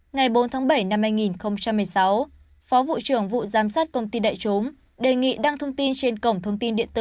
ngày bốn tháng bảy năm hai nghìn một mươi sáu phó vụ trưởng vụ giám sát công ty đại chúng đề nghị đăng thông tin trên cổng thông tin điện tử